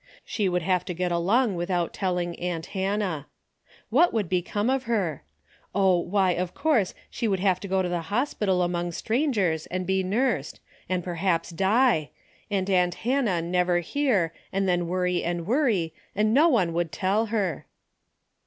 She would have to get along without telling aunt Hannah. What would become of her? Oh, why of course, she would have to go to the hospital among strangers and be nursed, and 76 A DAILY BATE:^ perhaps die, and aunt Hannah never hear and then worry and worry and no one would tell her.